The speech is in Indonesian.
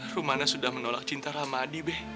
rumana sudah menolak cinta ramadi be